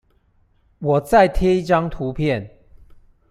我再貼一張圖片